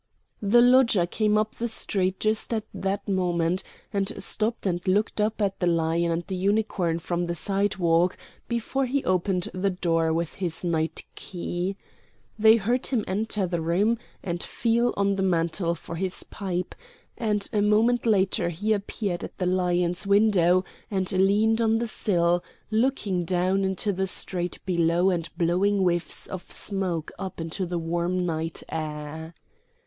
The lodger came up the street just at that moment, and stopped and looked up at the Lion and the Unicorn from the sidewalk, before he opened the door with his night key. They heard him enter the room and feel on the mantel for his pipe, and a moment later he appeared at the Lion's window and leaned on the sill, looking down into the street below and blowing whiffs of smoke up into the warm night air.